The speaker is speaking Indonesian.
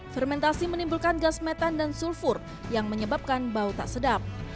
fermentasi menimbulkan gas metan dan sulfur yang menyebabkan bau tak sedap